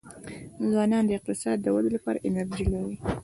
ځوانان د اقتصاد د ودي لپاره انرژي لري.